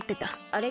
あれ？